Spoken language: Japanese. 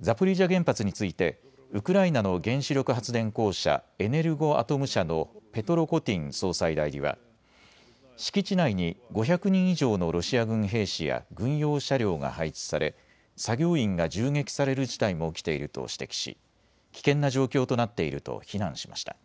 ザポリージャ原発についてウクライナの原子力発電公社、エネルゴアトム社のペトロ・コティン総裁代理は敷地内に５００人以上のロシア軍兵士や軍用車両が配置され、作業員が銃撃される事態も起きていると指摘し危険な状況となっていると非難しました。